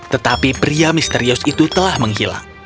tetapi pria misterius itu telah menghilang